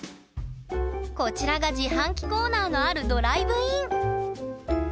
こちらが自販機コーナーのあるドライブイン。